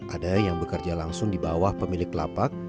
ada yang bekerja langsung di bawah pemilik lapak